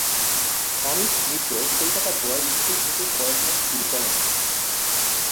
Amit Mitra Kolkata boys school থেকে পড়াশোনা শুরু করেন।